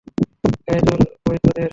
গায়ে জোর কই তোদের?